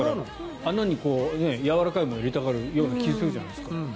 穴にやわらかいものを入れたがるような気がするじゃないですか。